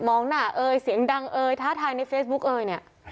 หน้าเอ่ยเสียงดังเอ่ยท้าทายในเฟซบุ๊คเอยเนี่ย